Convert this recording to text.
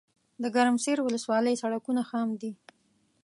دګرمسیر ولسوالۍ سړکونه خام دي